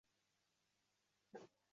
Va osmondan kimdir ushbu dam